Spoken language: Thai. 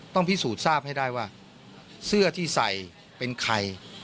พิสูจน์ทราบให้ได้ว่าเสื้อที่ใส่เป็นใคร